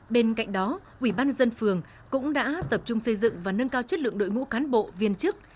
bên cạnh đó ủy ban dân phường cũng đã tập trung xây dựng và nâng cao chất lượng đội ngũ cán bộ viên chức